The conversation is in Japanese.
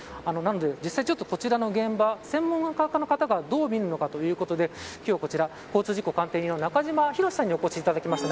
実際ちょっとこちらの現場、専門家の方がどう見るのかということで今日はこちら、交通事故鑑定人の中島博史さんにお越しいただきました。